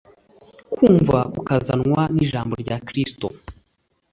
kumva kukazanwa n’ijambo rya Kristo.